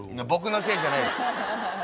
僕のせいじゃないです。